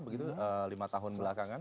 begitu lima tahun belakangan